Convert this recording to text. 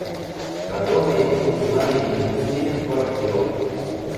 А дома его не узнали и не пустили в квартиру.